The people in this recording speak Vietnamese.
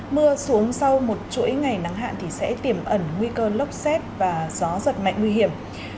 mưa xuống sau một chuỗi ngày nắng hạn thì sẽ tiềm ẩn nguy cơ lốc xét và gió giật mạnh nguy hiểm